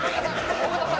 尾形さん！